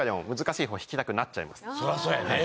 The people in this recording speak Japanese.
そりゃそうやね。